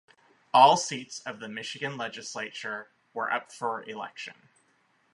All seats of the Michigan Legislature were up for election.